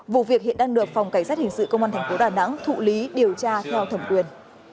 vụ việc hiện đang được phòng cảnh sát hình sự công an thành phố đà nẵng thụ lý điều tra theo thẩm quyền